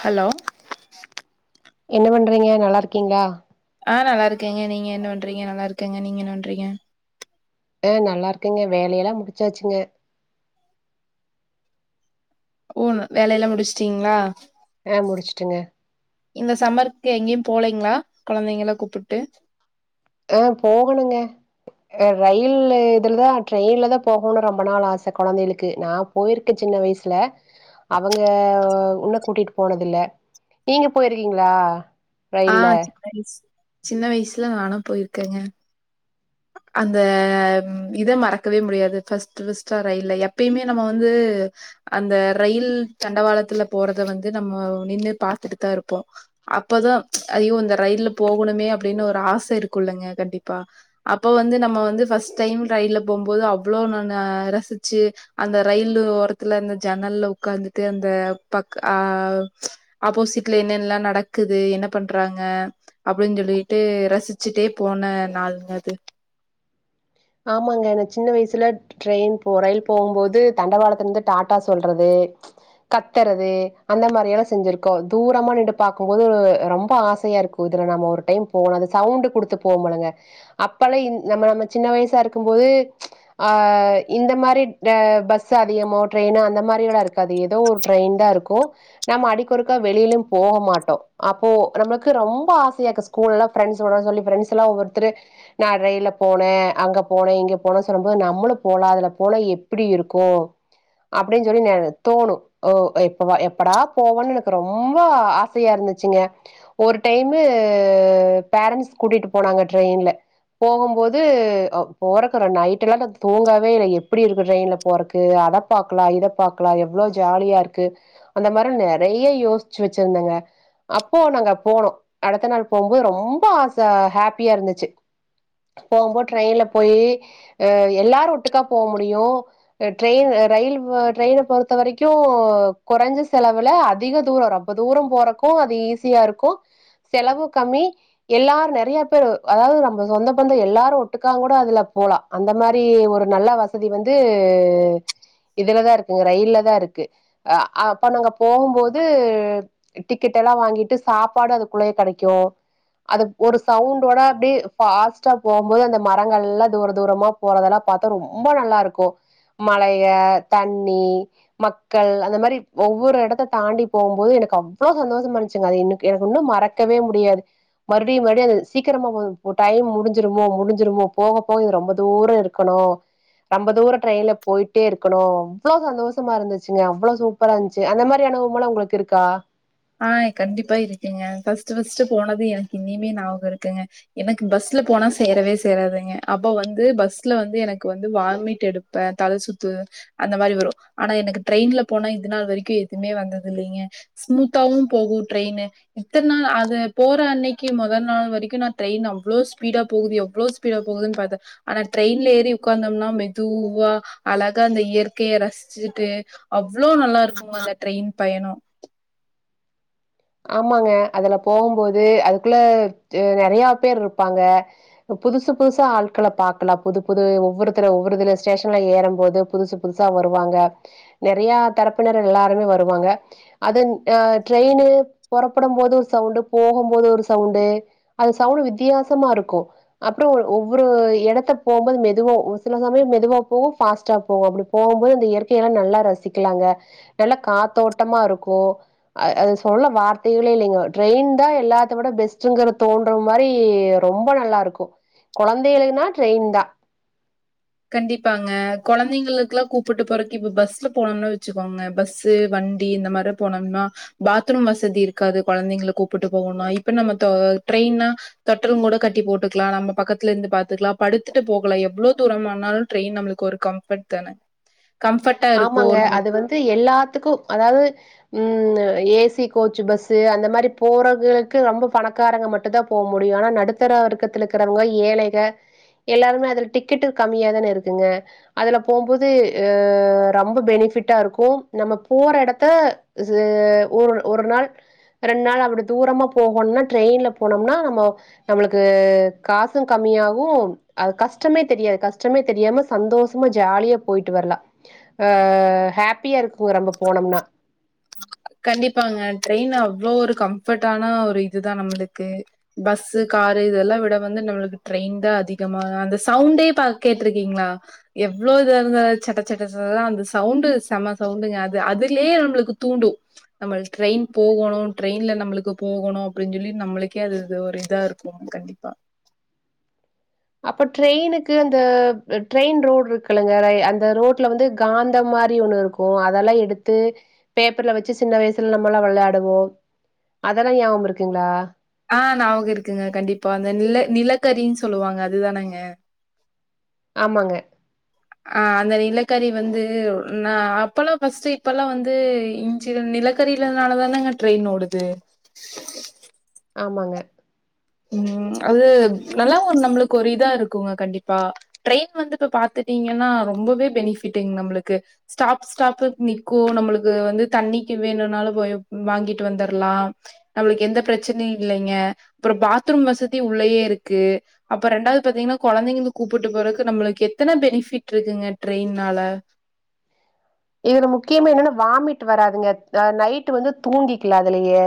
Hello என்ன பண்றீங்க நல்லா இருக்கீங்ளா ஆ நல்லா இருக்கேங்க நீங்க என்ன பண்றீங்க நல்லா இருக்கங்க நீங்க என்ன பண்றீங்க அ நல்லா இருக்கங்க வேலையெல்லா முடிச்சாச்சுங்க ஓ வேல எல்லா முடிச்ட்டீங்ளா அ முடிச்சுட்டங்க இந்த சம்மருக்கு எங்கேயும் போலேங்ளா கொழந்தைங்கள கூப்புட்டு அ போகணுங்க ரயில் இதுலதான் ட்ரெயின்ல தா போகனு ரொம்ப நாள் ஆச கொழந்தைளுக்கு நா போயிருக்கேன் சின் ன வயசுல அவங்க உன்ன கூட்டிட்டு போனதில்ல நீங்க போயிருக்கீங்ளா ஆ சின்ன வைஸ் சின்ன வயசுல நான போயிருக்கேங்க அந்த இத மறக்கவே முடியாது ஃபஸ்ட்டு ஃபஸ்ட்டா ரயில்ல எப்பய்மே நம்ம வந்து உ அந்த ரயில் தண்டவாளத்துல போறத வந்து நம்மோ நின்னு பாத்துட்டு தா இருப்போ அப்பதா ஐயோ இந்த ரயில்ல போகணுமே அப்டின்னு ஒரு ஆச இருக்கூல்லங்க கண்டிப்பா அப்போ வந்து நம்ம வந்து ஃபஸ்ட் டைம் ரயில்ல போம்போது அவ்ளோ ந நா ரசிச்சு அந்த ரயிலு ஓரத்துல இந்த ஜன்னல்ல ஒக்காந்துட்டு அந்த பக் ஆ ஆப்போசிட்ல என்னன்லா நடக்குது என்ன பண்றாங்க அப்டின் சொல்லிட்டு ரசிச்சுட்டே போன நாளுங்க அது ஆமாங்க என சின்ன வயசுல ட்ரெயின் போ ரயில் போவும் போது தண்டவாளத்துலேந்து டாடா சொல்றது கத்தறது அந்த மாரி எல்லா செஞ்சிருக்கோ தூரமா நின்டு பாக்கும்போது ரொம்ப ஆ சையா இருக்கூ இதுல நாம ஒரு டைம் போணூ அது சவுண்ட் குடுத்து போமுல்லங்க அப்பல்லா இந் நம்ம நம்ம சின்ன வயசாருக்கும்போது ஆ இந்த மாரி ட பஸ் அதிகமோ ட்ரெயின் அந்த மா பரிங்களாருக்காது எதோ ஒரு ட்ரெயின் தா இருக்கூ நம்ம அடிக்கொருக்கா வெளியிலும் போக மாட்டோ அப்போ நம்மளுக்கு ரொம்ப ஆசையாக்கு ஸ்கூல்லலா ஃப்ரண்ஸோட சொல்லி ஃப்ரெண்ட்ஸ்லா ஒவ்வொருத்தரு நா ரெயில்ல போன் னே அங்க போனே இங்க போனே சொல்லும்போது நம்மளூ போலா அதுல போன எப்பிடி இருக்கூ அப்டின் சொல்லி ஞானு தோணு ஒ எப்பவா எப்படா போவோனு எனக்கு ரொம்ப ஆசையாருந் னுச்சுங்க ஒரு டைமு பேரண்ட்ஸ் கூட்டிட் போனாங்க ட்ரெயின்ல போகும்போத் து போறக்குற நைட்டெல்லா நா தூங்கவே இல்ல எப்டி இருக்கூ ட்ரெயின்ல போறக்கு அத பாக்கலா இத பாக்கலா எவ்ளோ ஜாலியா இருக்கு அந்த மாரி நறைய யோசிச்சி வச்சிருந்தேங்க அப்போ நாங்க போனோ அடுத்த நாள் போம்போது ரொம்ப ஆச ஹேப்பியா இருந்துச்சு போகும்போ ட்ரெயின்ல போயி ஆ எல்லாரு ஒட்டுக்கா போ முடியூ ட்ரெயின் ரயில் இவ்வ ட்ரெயின பொறுத்த வரைக்கூ கொறைஞ்ச செலவுல அதிக தூரோ ரொம்ப தூரோ போறக்கூ அத் ஈஸியாருக்கூ செலவு கம்மி எல்லார் நறைய பேர் அதாவ்து நம்ம சொந்த பந்தோ எல்லாரூ ஒட்டுக்காங்கூட அதுல போலா அந்த மாரி ஒரு நல்ல வசதி வந்து இதுலதா இருக்குங்க ரயில்ல தா இருக்கு அ அப்ப நாங்க போகும்போது டிக்கெட் தலா வாங்கிட்டு சாப்பாடு அதுக்குள்ளயே கெடைக்கூ அது ஒரு சவுண்டோட அப்டியே ஃபாஸ் டா போம்போது அந்த மரங்கள்லா தூர தூரமா போறதெல்லா பாத்தா ரொம்ப நல்லாருக்கூ மலைய தண்ணி மக்கள் அந்த மாரி ஒவ்வொரு எடத்த தாண்டி போம்போது னக்கு அவ்ளோ சந்தோஷமாருந்துச்சுங்க அது இன்னுக் எனக்கு இன்னு மறக்கவே முடியாது மறுப்டி மறுப்டி அந் சீக்கிரமா போது டைம் முடிஞ் சிருமோ முடிஞ்சுருமோ போக போக இது ரொம்ப தூரோ இருக்கணூ ரொம்ப தூர ட்ரெயின்ல போயிட்டே இருக்கணூ அவ்ளோ சந்தோஷமாருந்துச்சுங்க அவ்ளோ சூப்பராந்துச்சு அந்த மாரி அ னுவோம்லா உங்களுக்கிருக்கா ஆ கண்டிப்பா இருக்கிங்க ஃபஸ்ட்டு ஃபஸ்ட்டு போனது எனக்கு இன்னுய்மே ஞாபகோ இருக்குங்க எனக்கு பஸ் ஸ்ல போனா சேரவே சேராதுங்க அப்ப வந்து பஸ்ல வந்து எனக்கு வந்து வாமிட் எடுப்பே தல சுத்து அந்த மாரி வரு ஆனா எனக்கு ட்ரெயின்ல போனா இது நாள் வரைக்கு எதுமே வந்ததில்லைங்க ஸ்மூத் தாவு போகூ ட்ரெயினு இத்தன் நாள் அது போற அன்னைக்கி மொத நாள் வரைக்கு நா ட்ரெயின் அவ்ளோ ஸ்பீடா போகுது எவ்ளோ ஸ்பீடா போகுது பாத்தே ஆனா ட்ரெயின்ல ஏறி ஒக்காந்தோம்னா மெதுவா அழக் கா அந்த இயற்கைய ரசிச்சுட்டு அவ்ளோ நல்லாருக்கூ அந்த ட்ரெயின் பயணோ ஆமாங்க அதுல போகும்போது அதுக்குள்ள நெறைய பேர் இருப்பாங்க புதுசு புதுசா ஆள்கள பாக்கலா புது புது ஒவ்வொருத்தர ஒவ்வருதுல ஸ்டேஷன்ல ஏறும் போது புதுசு புதுசா வர் ருவாங்க நறைய தரப்பினர் எல்லாருமே வருவாங்க அதன் ஆ ட்ரெயினு பொறப்படும் போது ஒரு சவுண்டு போகும் போது ஒரு சவுண்டு அது சவுண்ட் வித்தியாசமா இருக்கூ அப் போ ஒவ்வொரு எடத்த போம்போது மெதுவா ஒரு சில சமயோ மெதுவா போவூ ஃபாஸ்டா போவூ அப்டி போகும்போது அந் த இயற்கையெல்லா நல்லா ரசிக்கலாங்க நல்லா காத்தோட்டமா இருக்கூ அ அது சொல்ல வார் டூலே இல்லைங்ககோ ட்ரெயின் தா எல்லாத்த விட பெஸ்ட்டுங்கற தோன்ற மாரி ரொம்ப நல்லாருக்கூ கொழந்தைகளுக்னா ட்ரெயின் தா கண்டிப்பாங்க குழந்தைங்களுக்கெல்லா கூப்புட்டு போறக்கு இப்ப பஸ்ல போனோனு வச்சுக்கோங்க பஸ் வண் வண்டி இந்த மாரி போனோம்னா பாத்ரூம் வசதி இருக்காது கொழந்தைங்கள கூப்புட்டு போகணு இப்ப நம்ம தோ ட்ரெயின்னா தொட்டிலு கூட கட்டி போட்டுக்கலா நம்ம பக்கத்துல இருந்து பாத்துக்கலா படுத்துட்டு போகலா எவ்வளோ தூரம்னா னாலு ட்ரெயின் நம்மளுக்கு ஒரு கம்ஃபர்ட் தான கம்ஃபர்ட்டா இருக்கும். ஆமாங்க நம்மளுக்கு அது வந்து எல்லாத்துக்கு அதாவது ம்னு ஏசி கோச்சு பஸ்சு அந்த மாரி போறவகக்கு ரொம்ப பணக்காரங்க மட்டுந்தா போக முடியு ஆனா நடுத்தர வர்கத்தில இருக்கிறவங்க ஏழைக எல்லாருமே அதுல டிக்கெட்டு கம்மியா தானே இருக்குங்க அதுல போம்போது அ ரொம்ப பெனிஃபிட்டா இருக்கு நம்ம போற எடத்த ச ஒரு ஒரு நாள் ரெண்டு நாள் அப்டி தூரமா போகணுனா ட்ரெயின்ல போனோம்னா நம்ம நம்மளுக்கு காசு கம்மி யாவு அது கஷ்டமே தெரியாது கஷ்டமே தெரியாம சந்தோஷமா ஜாலியா போயிட்டு வரலா அ ஹாப்பியா இருக்குங்க ரொம்ப போனோம்னா கண்டிப்பாங்க ட்ரெயின் அவ்ளோ ஒரு கம்ஃபர்ட் ஆன ஒரு இதுதா நம்மளுக்கு பஸ்ஸு க ரு இதெல்லா விட வந்து நம்மளுக்கு ட்ரெயின் தா அதிகமா அந்த சவுண்டே ப கேட்டிருக்கீங்களா எப் இவ்ளோ இதா இருந்த சட்ட சட்டா அந்த சவுண்டு செம்ம சவுண்டுங்க அது அதுலயே நம்மளுக்கு தூண்டு நம்ம ட்ரெயின் போகோணு ட்ரெயின்ல நம்மளுக்கு போகோணு அப்டின்னு சொல்லி நம்மளுக்கே அது ஒரு இதாருக்கு ம் கண்டிப்பா அப்ப ட்ரெயினுக்கு அந்த ட்ரெயின் ரோடு இருக்குலங்க ரய் அந்த ரோட்ல வந்து காந்தமா மாரி ஒண்ணு இருக்கு அதெல்லா எடுத்து பேப்பர்ல வச்சு சின்ன வயசுல நம்மல்லா விள்ளாடுவோ அதெல்லா ஞாபக இருக்குங்களா ஆ ஞாவுக இருக்குங்க கண்டிப்பா அந்த நில நிலக்கரின்னு சொல்லுவாங்க அதுதானங்க ஆமாங்க ஆ அந்த நிலக்கறி வந்து நா அப்பல்லா ஃபர்ஸ்ட்டு இப்பல்லா வந்து ஞ்சு நிலக்கரியிலனால தான ட்ரெயின் ன் ஓடுது ஆமாங்க ம் அது நல்லாவு நம்மளுக்கு ஒரு இதா இருக்குங்க கண்டிப்பா ட்ரெயின் வந்து இப்ப பாத்து ங்கன்னா ரொம்பவே பெனிஃபிட்ங்க நம்மளுக்கு ஸ்டாப் ஸ்டாப்க்கு நிக்கு நம்மளுக்கு வந்து தண்ணி வேணுனாலு போய் வாங்கிட்டு வந்துற லா நம்மளுக்கு எந்த பிரச்சனையு இல்லைங்க அப்புற பாத்ரூம் வசதி உள்ளேயே இருக்கு அப்பற ரெண்டாவது பாத்தீங்கன்னா கொழந்தைங்கங்க கூப்ட்டு போறதுக்கு நம்மளுக்கு எத்த எத்தன பெனிஃபிட் இருக்குங்க ட்ரெயின்னால இதுல முக்கியமா என்னன்னா வாமிட் வராதுங்க ஆ நைட் வந்து தூங்கிக்கல அதுலயே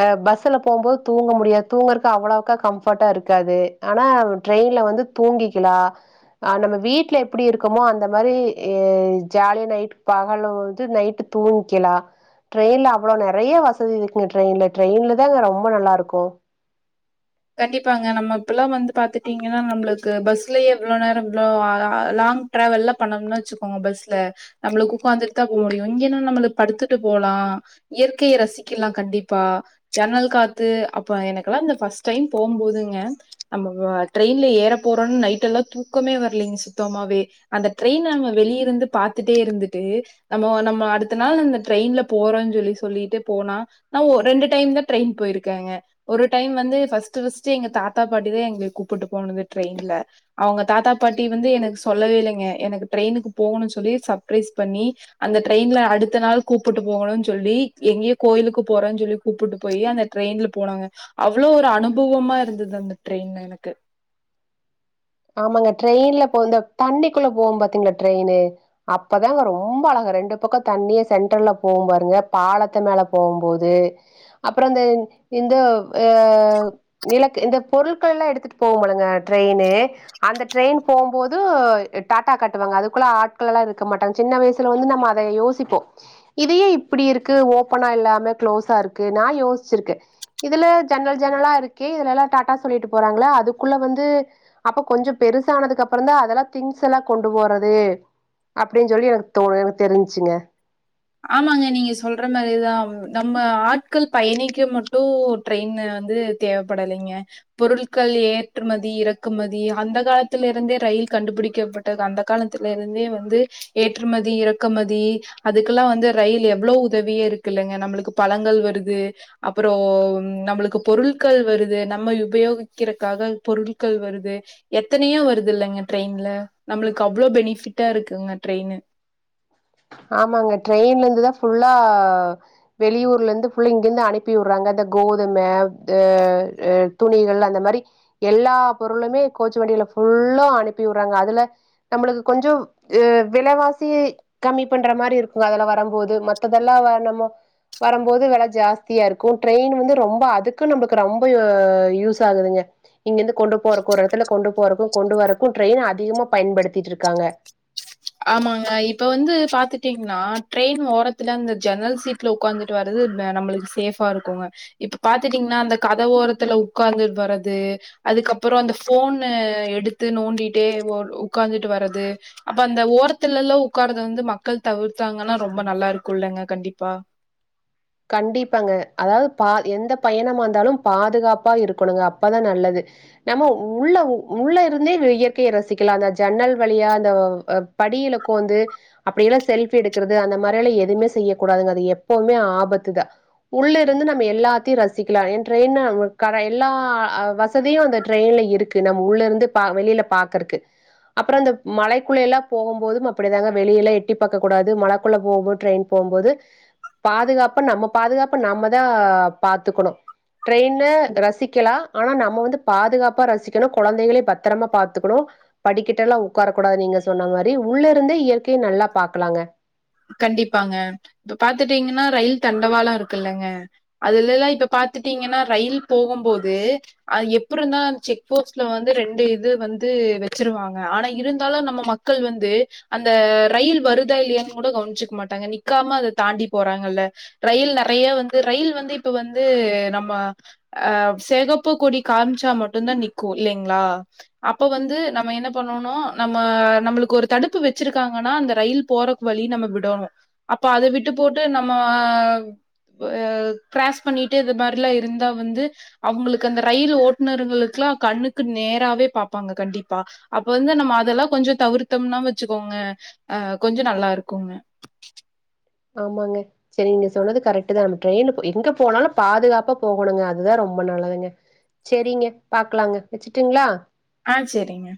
ஆ பஸ்ல போம்போது தூங்க முடியாது தூங்கறக்கு அவ்வளவுக்கா கம்ஃபர்ட்டா இருக்காது ஆனா ட்ரெயின் ல வந்து தூங்கிக்கலா அ நம்ம வீட்ல எப்படி இருக்கமோ அந்த மாரி ஜாலியா நைட்டு பகலு வந்து நைட்டு் தூங்க்கிலா ட்ரெயின்ல அவ்ளோ நெறைய வசதி இருக்குங்க ட்ரெயின்ல டிரெயின்ல தாங்க ரொம்ப நல்லாருக்கு கண்டிப்பாங்க நம்ம இப்பல்லா வந்து பாத்துட்டீங்கன்னா நம்மளுக்கு பஸ்லயே இவ்ளோ நேர இவ்ளோ ளா லாங் ட்ராவல் பண்ணம்னா வச்சுக்கோங்க பஸ்ல நம்ம ஒக்காந்துட்டுதா போக முடியு இங்கனா நம்ம படுத்துட்டு போலா ஆ இயற்கைய ரசிக்கலா கண்டிப்பா ஜன்னல் காத்து அப்ப எனக்கெல்லா இந்த பஸ் ட்ரெயின் போம் போதுங்க நம்ம ட்ரெயின்ல ஏற போறோம்ன்னு நைட் எல்லா தூக்கமே வரலீங்க சுத்தமா அந்த ட்ரெயின் நம்ம வெளிய இருந்து பாத்துட்டே இருந்துட்டு நம்ம நம்ம அடுத்த நாள் அந்த ட்ரெயின்ல போறோ சொல்லி சொல்லிட்டு போனா ரெண்டு டைம் தா ட்ரெயின் போயிருக்கேங்க ஒரு டைம் வந்து பஸ்ட்டு பஸ்ட்டு எங்க தாத்தா பாட்டி தா எங்கள கூப்புட்டு போனது டரெயின்ல அவங்க தாத்தா பாட்டி வந்து எனக்கு சொ சொல்லவே இலைங்க எனக்கு ட்ரெயினக்கு போகணும்னு சொல்லி சப்ரைஸ் பண்ணி அந்த ட்ரெயின்ல அடுத்த நாள் கூப்புட்டு போ போணு சொல்லி எங்கயோ கோயிலுக்கு போறோ சொல்லி கூப்புட்டு போய் அந்த ட்ரெயின்ல போனாங்க அவ்வளோ ஒரு ஆ அனுபவமா இருந்தது அந்த ட்ரெயின்ல எனக்கு ஆமாங்க ட்ரெயின்ல போ தண்ணிக்குள்ள போவ பாத்தீங்களா ட்ரெயின்னு அப்பதாங்க ரொம்ப அழகா ரெண்டு பக்கம் தண்ணிய சென்டரல போகும் பாருங்க பாலத்த மேல போகும்போது அப்புற இந்த இந்த அ நிலக்கு இந்த பொருட்கள்லா எடுத்துட்டு போவமுலங்க ட்ரெயின்னு அந்த ட்ரெயின் போம்போது டாடா காட்டுவாங்க அதுக்குள்ள ஆட்கள்ள எல்லாம் இருக்க மாட்டாங்க சின்ன வயசுல வந்து நம்ம அதை யோசிப்போம் இதையே இப்படி இருக்கு ஓபனா இல்லாம க்ளோஸ்ஸா இருக்கு நான் யோசிச்ருக்கே இதுல ஜென்னல் ஜென்னலா இருக்குே இதுல எல்லாம் டாட்டா சொல்லிட்டு போறாங்கள அதுக்குள்ள வந்து அப்ப கொஞ்சம் பெருசானதுக்கு அப்புறம் தா அதெல்லாம் திங்ஸ் எல்லா கொண்டு போறது அப்படின்னு சொல்லி எனக்கு தோணு எனக்கு தெரிஞ்ச்சுங்க ஆமாங்க நீங்க சொல்ற மாதிரிதா நம்ம ஆட்கள் பயணிக்க மட்டும் ட்ரெயின் வந்து தேவைப்படலைங்க பொருட்கள் ஏற்றுமதி இறக்குமதி அந்த காலத்தில இருந்தே ரயில் கண்டுபிடிக்கப்பட்டது அந்த காலத்தில இருந்தே வந்து ஏற்றுமதி இறக்குமதி அதுக்கு வந்து ரயில் எவ்வளவு உதவியே இருக்கு இல்லங்க நம்மளுக்கு பழங்கள் வருது அப்புறம் நம்மளுக்கு க்கு பொருட்கள் வருது நம்ம உபயோகிக்கிறதுக்காக பொருட்கள் வருது எத்தனையோ வருதுல்ல டரெயின்ல நம்மளுக்கு அவ்ளோ பெனிபிட்டா இருக்குங்க ட்ரெயினு ஆமாங்க ட்ரெயின்ல இருந்து தா ஃபுல்லா வெளியூர்ல இருந்து இங்கிருந்து அனுப்பி விடுறாங்க கோதும ஆ துணிகள் அந்த மாரி எல்லா பொருளுமே கோச்சு வன்டியில ஃபுல்லா அனுப்பி விட்றாங்க அதுல நம்மளுக்கு கொஞ்சம் விலைவாசி கம்மி பண்ற மாரி இருக்குங்க அதெல்ல வரும்போது மத்ததெல்லாம் நம்ம வரம்போது வெல ஜாஸ்தியா இருக்கும் ட்ரெயின் வந்து ரொம்ப அதுக்கு நம்மளுக்கு ரொம்ப யூஸ் ஆகுதுங்க இங்கிருந்து கொண்டு போறக்கு ஒரு இடத்துல கொண்டு போறக்கும் கொண்டு வரறக்கும் ட்ரெயின் அதிகமா பயன்படுத்திட்டு இருக்காங்க ஆமாங்க இப்ப வந்து பாத்துட்டீங்கன்னா ட்ரெயின் ஓரத்துல இந்த ஜென்னல் சீட்ல உட்காந்துட்டு வருது நம்மளுக்கு சேஃபா இருக்குங்க இப்ப பாத்துட்டீங்கன்னா அந்த கத வோரத்துல உட்கார்ந்துவறது அதுக்கப்புறம் அந்த போன எடுத்து நோண்டிட்டே உட்கார்ந்துட்டு வர்றது அப்ப அந்த ஓரத்துல எல்லா உட்காரறத வந்து மக்கள் தவிர்த்தாங்கன்னா ரொம்ப நல்லா இருக்குல்ங்க கண்டிப்பா கண்டிப்பாங்க அதாவது பா எந்த பயணமா வந்தாலும் பாதுகாப்பா இருக்கணுங்க அப்பதான் நல்லது நம்ம உள்ள உள்ள இருந்தே இயற்கையை ரசிக்கலா அந்த ஜன்னல் வழியா அந்த படியில கோந்து அப்படியெல்லாம் செல்பி எடுக்கிறது அந்த மாரிலா எதுவுமே செய்யக்கூடாதுங்க அது எப்பவுமே ஆபத்து உள்ள இருந்து நம்ம எல்லாத்தையும் ரசிக்கலா என்ட்ரென் எல்லா வசதியும் அந்த ட்ரெயின்ல இருக்கு நம்ம உள்ள இருந்து வெளில பாக்கறக்கு அப்புற அந்த மலைக்குள்ள எல்லா போகபோதும் அப்படிதான்ங்க வெளியில எட்டி பார்க்க கூடாது மலக்குள்ள போக போது ட்ரெயின் போ போம்போது பாதுகாப்பு நம்ம பாதுகாப்பு நம்ம தா பாத்துக்கணு ட்ரெயின்ன ரசிக்கலா ஆனா நம்ம வந்து பாதுகாப்பா ரசிக்கணும் குழந்தைகளே பத்திரமா பாத்துக்கணு படிக்கிட்ட எல்லா உட்காரக்க கூடாது நீங்க சொன்ன மாரி உள்ள இருந்தே இயற்கையை நல்லா பார்க்கலாங்க கண்டிப்பாங்க இப்ப பாத்துட்டீங்கன்னா ரயில் தண்டவாலா இருக்கு இல்லங்க அதுல எல்லா இப்ப பாத்துட்டீங்கன்னா ரயில் போகும்போது எப்படிந்தான் செக் போஸ்ட்ல வந்து ரெண்டு இது வந்து வச்சிருவாங்க ஆனா இருந்தாலும் நம்ம மக்கள் வந்து அந்த ரயில் வருதா இல்லையா கூட கவனிச்சுிக்க மாட்டாங்க நிக்காம அதை தாண்டி போறாங்கல்ல ரயில் நறைய வந்து ரயில் வந்து இப்ப வந்து நம்ம சேகப்ப கொடி காமிச்சா மட்டுும்்தான் நிற்கும் இல்லைங்களா அ அப்ப வந்து நம்ம என்ன பண்ணனும் நம்ம நம்மளுக்கு ஒரு தடுப்பு வச்சிருக்காங்கன்னா அந்த ரயில் போற வழி நம்ம விடணோும் அப்ப அத விட்டு போட்டு நம்ம கிராஸ் பண்ணிட்டு இந்த மாதிரிலா இருந்தா வந்து அவங்களுக்கு அந்த ரயில் ஓட்டுநர்ங்களுக்கு கண்ணுக்கு நேராவவே பார்ப்பாங்க கண்டிப்பா அப்ப வந்து நம்ம அதெல்லா கொஞ்சம் தவிர்த்தோம்னா வச்சுக்கோங்க ஆ கொஞ்சம் நல்லா இருக்குங்க ஆமாங்க சரி நீங்க சொன்னது கரெக்ட் தான் நம்ம ட்ரெயின் எங்க போனாலும் பாதுகாப்பா போகணுங்க அதுதான் ரொம்ப ரொம்ப நல்லதுங்க சரிங்க பாக்கலாங்க வச்சுட்டுங்களா ஆ சரிங்க